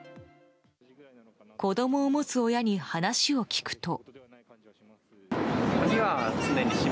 子供を持つ親に話を聞くと。